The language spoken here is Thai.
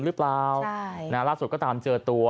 ลักษณ์สุดก็ตามเจอตัว